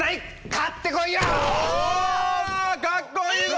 かっこいいぞ！